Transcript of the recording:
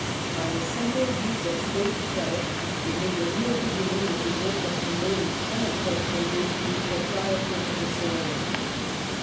By a simple use of State credit it made a real beginning with the work of converting tenant cultivators into proprietors of the soil.